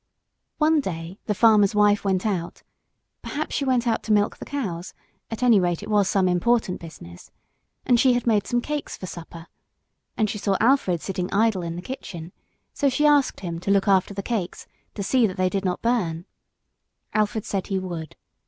One day the farmer's wife went out perhaps she went out to milk the cows; at any rate it was some important business and she had made some cakes for supper, and she saw Alfred sitting idle in the kitchen, so she asked him to look after the cakes, to see that they did not burn. Alfred said he would.